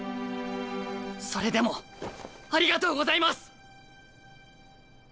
それでもありがとうございます！